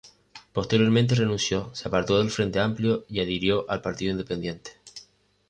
Posteriormente renunció, se apartó del Frente Amplio y adhirió al Partido Independiente.